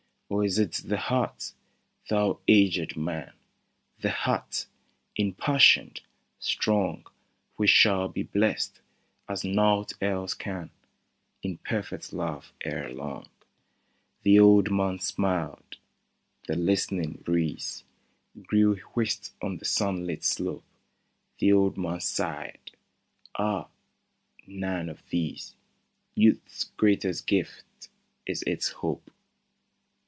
" Or is it the heart, thou aged man !— The heart, impassioned, strong — Which shall be blest, as naught else can, In perfect love ere long ?" 66 AN OPTIMIST The old man smiled : the listening breeze Grew whist on the sun lit slope ; The old man sighed :" Ah, none of these ! Youth's greatest gift is its hope."